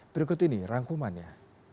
berikut ini rangkumannya